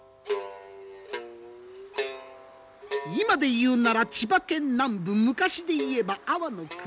今で言うなら千葉県南部昔で言えば安房国。